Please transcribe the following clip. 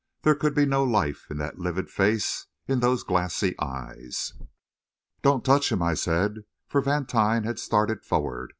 There could be no life in that livid face, in those glassy eyes. "Don't touch him," I said, for Vantine had started forward.